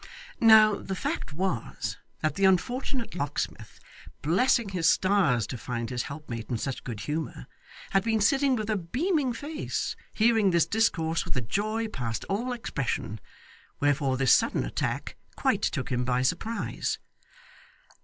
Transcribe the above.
Now, the fact was, that the unfortunate locksmith, blessing his stars to find his helpmate in such good humour, had been sitting with a beaming face, hearing this discourse with a joy past all expression. Wherefore this sudden attack quite took him by surprise.